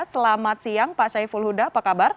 selamat siang pak syai fulhuda apa kabar